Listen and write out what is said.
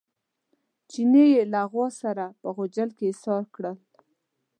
چیني یې له غوا سره په غوجل کې ایسار کړل.